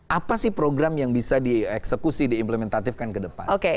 apa sih program yang bisa dieksekusi diimplementatifkan ke depan